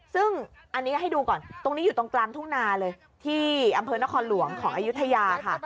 ซึ่งอันนี้ให้ดูก่อนตรงนี้อยู่ตรงกลางทุ่งนาเลยที่อำเภอนครหลวงของอายุทยาค่ะ